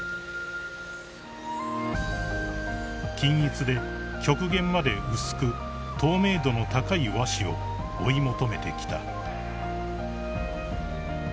［均一で極限まで薄く透明度の高い和紙を追い求めてきた］